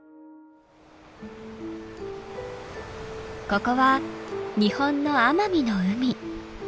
ここは日本の奄美の海。